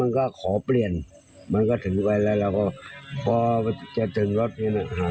แล้วแล้วแล้วเขา